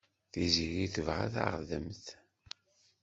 Tiziri tebɣa taɣdemt.